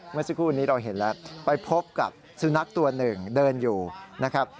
เมื่อสักครู่นี้เราเห็นแล้วไปพบกับสุนัขตัวหนึ่งเดินอยู่นะครับ